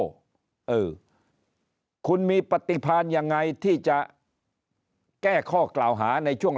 เออคุณมีปฏิพันธ์ยังไงที่จะแก้ข้อกล่าวหาในช่วง